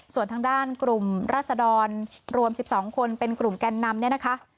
ส่วนทางด้านกลุ่มรัศดรรวม๑๒คนเป็นกลุ่มแก่นนำเนี่ยนะคะ